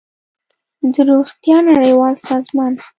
د روغتیا نړیوال سازمان